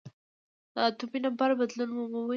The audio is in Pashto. د اتومي نمبر بدلون مومي .